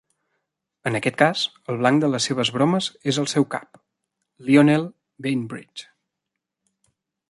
En aquest cas, el blanc de les seves bromes és el seu cap, Lionel Bainbridge.